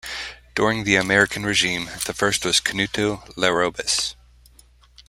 During the American regime the first was Canuto Larrobis.